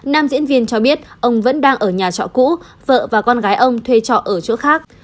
nam diễn viên cho biết ông vẫn đang ở nhà trọ cũ vợ và con gái ông thuê trọ ở chỗ khác